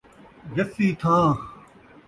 جسی تھاں